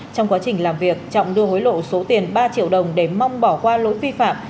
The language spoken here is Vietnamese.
trong quá trình làm việc trọng đưa hối lộ số tiền ba triệu đồng để mong bỏ qua lỗi vi phạm